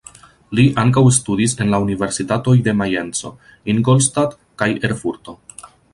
Li ankaŭ studis en la Universitatoj de Majenco, Ingolstadt kaj Erfurto.